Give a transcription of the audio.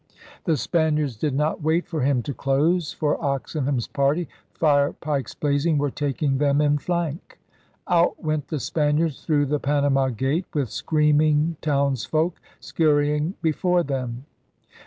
The Spaniards did not wait for him to close; for Oxen ham's party, fire pikes blazing, were taking them in flank. Out went the Spaniards through the Panama gate, with screaming townsfolk scurrying before them.